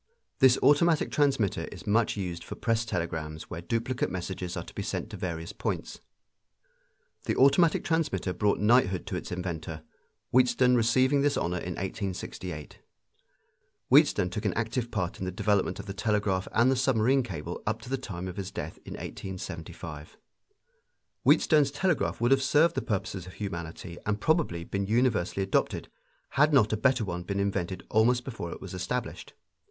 This automatic transmitter is much used for press telegrams where duplicate messages are to be sent to various points. The automatic transmitter brought knighthood to its inventor, Wheatstone receiving this honor in 1868. Wheatstone took an active part in the development of the telegraph and the submarine cable up to the time of his death in 1875. Wheatstone's telegraph would have served the purposes of humanity and probably have been universally adopted, had not a better one been invented almost before it was established.